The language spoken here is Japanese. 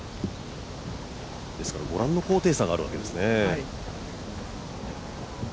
ですからご覧のような高低差があるわけですね。